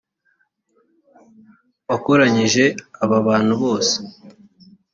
wakoranyije aba bantu bose